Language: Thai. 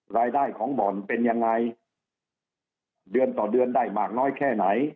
รายได้ของบ่อนเป็นยังไงเดือนต่อเดือนได้มากน้อยแค่ไหน